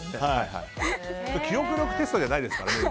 記憶力テストじゃないですからね。